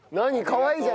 かわいい。